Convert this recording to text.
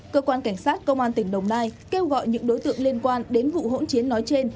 cơ quan cảnh sát công an tỉnh đồng nai kêu gọi những đối tượng liên quan đến vụ hỗn chiến nói trên